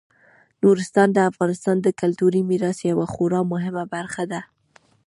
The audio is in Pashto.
نورستان د افغانستان د کلتوري میراث یوه خورا مهمه برخه ده.